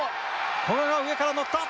古賀が上から乗った！